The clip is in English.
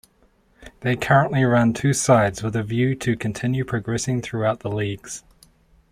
They currently run two sides with a view to continue progressing throughout the leagues.